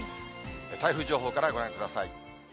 台風情報からご覧ください。